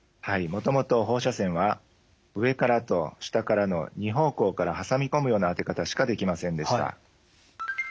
もともと放射線は上からと下からの２方向から挟み込むような当て方しかできませんでした。